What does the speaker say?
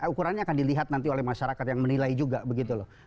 ukurannya akan dilihat nanti oleh masyarakat yang menilai juga begitu loh